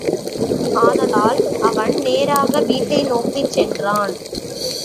ஆதலால் அவன் நேராக வீட்டை நோக்கிச் சென்றான்.